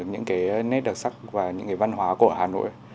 những cái nét đặc sắc và những cái văn hóa của hà nội